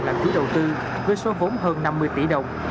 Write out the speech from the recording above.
là ký đầu tư với số vốn hơn năm mươi tỷ đồng